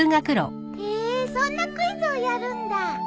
へえーそんなクイズをやるんだ。